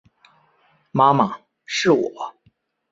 妈妈，是我